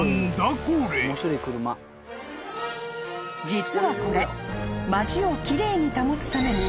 ［実はこれ街を奇麗に保つために］